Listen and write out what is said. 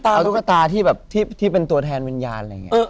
เอาตุ๊กตาที่แบบที่เป็นตัวแทนวิญญาณอะไรอย่างนี้